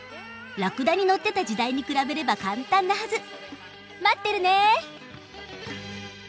ラクダに乗ってた時代に比べれば簡単なはず。待ってるね！